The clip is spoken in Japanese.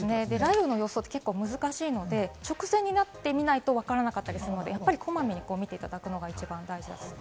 雷雨の予想って難しいので、直前になってみないとわからなかったりするので、こまめに見ていただくのが一番大事だったりします。